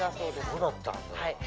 そうだったんだ。